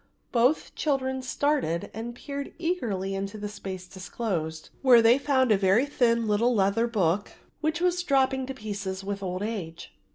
Both children started and peered eagerly into the space disclosed, where they found a very thin little leather book which was dropping to pieces with old age.